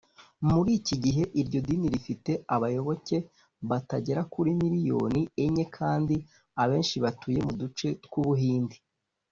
muri iki gihe iryo dini rifite abayoboke batagera kuri miriyoni enye, kandi abenshi batuye mu duce tw’u buhindi